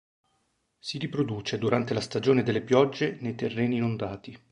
Si riproduce durante la stagione delle piogge nei terreni inondati.